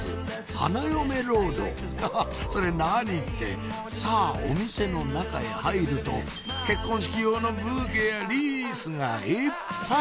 花嫁ロードハハっそれ何？ってさぁお店の中へ入ると結婚式用のブーケやリースがいっぱい！